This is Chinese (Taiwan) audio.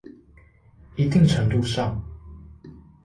一定程度上